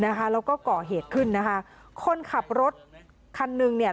นะคะแล้วก็ก่อเหตุขึ้นนะคะคนขับรถคันนึงเนี่ย